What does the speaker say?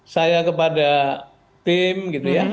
saya kepada tim gitu ya